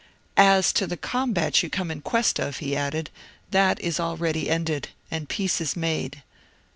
"As to the combat you come in quest of," he added, "that is already ended, and peace is made."